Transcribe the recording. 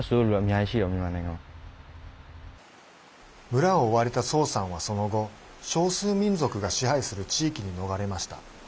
村を追われたソウさんはその後少数民族が支配する地域に逃れました。